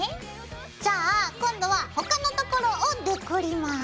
じゃあ今度は他のところをデコります。